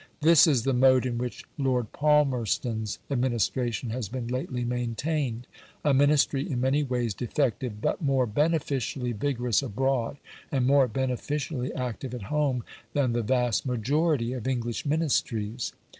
This is the mode in which Lord Palmerston's administration has been lately maintained; a Ministry in many ways defective, but more beneficially vigorous abroad, and more beneficially active at home, than the vast majority of English Ministries.